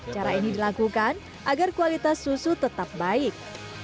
cara ini dilakukan agar kualitas susu tetap baik